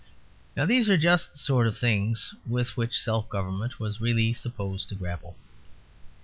Now, these are just the sort of things with which self government was really supposed to grapple.